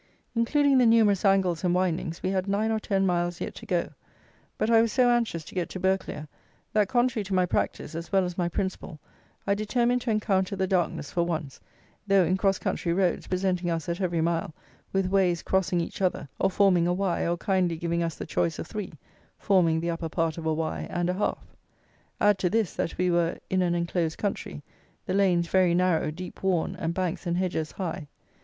Including the numerous angles and windings, we had nine or ten miles yet to go; but I was so anxious to get to Burghclere, that, contrary to my practice as well as my principle, I determined to encounter the darkness for once, though in cross country roads, presenting us, at every mile, with ways crossing each other; or forming a Y; or kindly giving us the choice of three, forming the upper part of a Y and a half. Add to this, that we were in an enclosed country, the lanes very narrow, deep worn, and banks and hedges high.